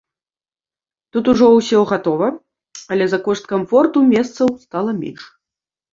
Тут ужо ўсё гатова, але за кошт камфорту месцаў стала менш.